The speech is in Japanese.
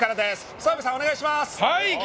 澤部さん、お願いします。